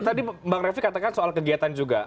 tadi bang refli katakan soal kegiatan juga